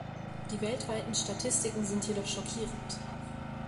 Die weltweiten Statistiken sind jedoch schockierend.